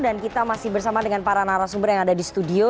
dan kita masih bersama dengan para narasumber yang ada di studio